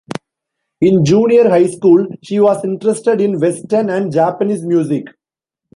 In junior high school, she was interested in Western and Japanese music.